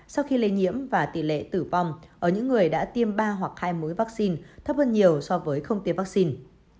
sau khi lây nhiễm và tỷ lệ tử vong ở những người đã tiêm ba hoặc hai mối vaccine thấp hơn nhiều so với không tiêm vaccine